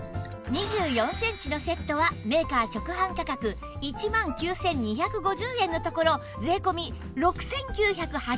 ２４センチのセットはメーカー直販価格１万９２５０円のところ税込６９８０円